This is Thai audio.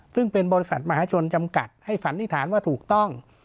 ซึ่งเป็นบริษัทมหาชนจำกัดให้สันนิษฐานว่าถูกต้อง